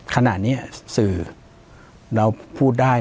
ปากกับภาคภูมิ